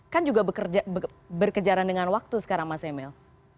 kan juga berkejaran dengan waktu sekarang mas emil